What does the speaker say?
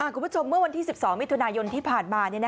คุณผู้ชมเมื่อวันที่๑๒มิถุนายนที่ผ่านมา